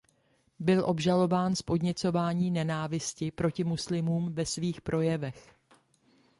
Byl obžalován z podněcování nenávisti proti muslimům ve svých projevech.